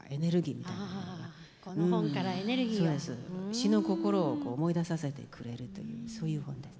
詞の心を思い出させてくれるというそういう本です。